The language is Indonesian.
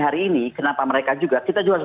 hari ini kenapa mereka juga kita juga harus